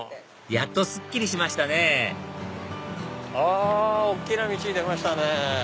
やっとすっきりしましたねあ大きな道に出ましたね。